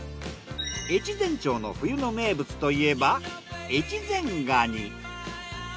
越前町の冬の名物といえば越前がに。